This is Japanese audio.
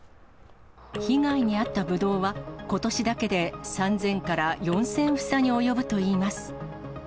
被害に遭ったブドウは、ことしだけで３０００から４０００房に及ぶといいます。